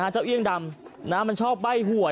เอี่ยงดำมันชอบใบ้หวย